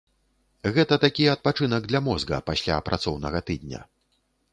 Гэта такі адпачынак для мозга пасля працоўнага тыдня.